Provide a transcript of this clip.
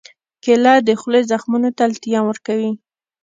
کېله د خولې زخمونو ته التیام ورکوي.